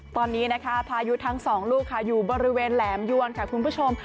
ตอนนี้นะคะพายุทั้งสองลูกค่ะอยู่บริเวณแหลมยวนค่ะคุณผู้ชม